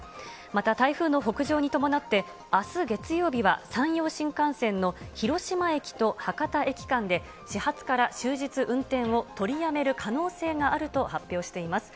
また、台風の北上に伴って、あす月曜日は山陽新幹線の広島駅と博多駅間で、始発から終日運転を取りやめる可能性があると発表しています。